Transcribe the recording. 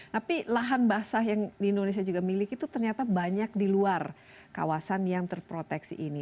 tapi lahan basah yang di indonesia juga miliki itu ternyata banyak di luar kawasan yang terproteksi ini